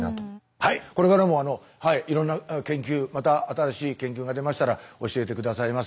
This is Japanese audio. はいこれからもいろんな研究また新しい研究が出ましたら教えて下さいませ。